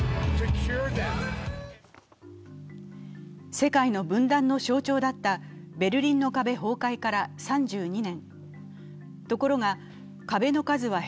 世界の分断の象徴だったベルリンの壁崩壊から３２年。